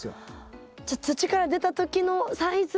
じゃあ土から出た時のサイズが。